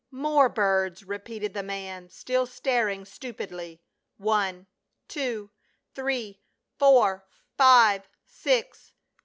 " More birds," repeated the man, still staring stu pidly. " One, two, three, four, five, six.